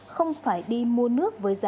không phải đi mua nước với giá cao